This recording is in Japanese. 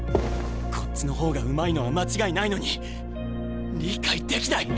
こっちの方がうまいのは間違いないのに理解できない！